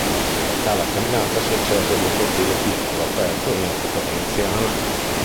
Dalla Caminata si accede ad un cortile piccolo aperto in epoca veneziana.